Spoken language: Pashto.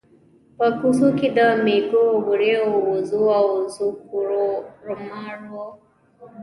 په کوڅو کې د مېږو، وريو، وزو او وزګړو رمبهار و.